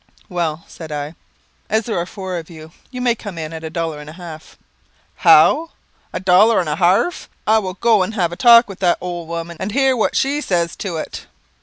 "Well," said I, "as there are four of you, you may come in at a dollar and a half." "How; a dollar and a harf! I will go and have a talk with the old woman, and hear what she says to it."